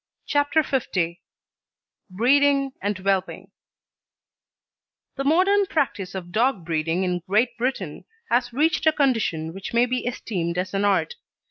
CHAPTER L BREEDING AND WHELPING The modern practice of dog breeding in Great Britain has reached a condition which may be esteemed as an art.